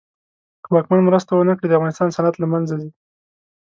که واکمن مرسته ونه کړي د افغانستان صنعت له منځ ځي.